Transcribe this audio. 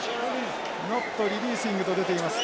ノットリリーシングと出ています。